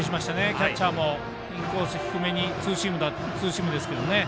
キャッチャーもインコース低めにツーシームですけどね。